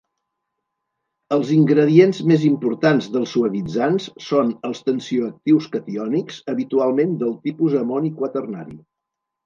Els ingredients més importants dels suavitzants són els tensioactius catiònics, habitualment del tipus amoni quaternari.